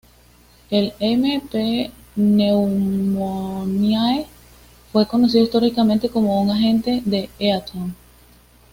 El "M. pneumoniae" fue conocido históricamente como un "agente de Eaton".